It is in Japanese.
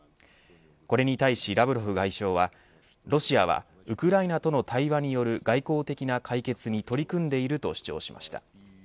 これに対しラブロフ外相はロシアはウクライナとの対話による外交的な解決に取り組んでいると主張しました。